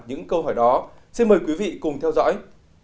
những câu hỏi đó xin mời quý vị cùng theo dõi